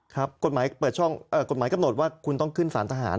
กฎหมายเปิดช่องกฎหมายกำหนดว่าคุณต้องขึ้นสารทหาร